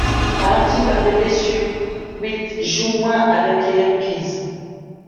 Ralenti par des blessures, Witt joue moins avec les Yankees.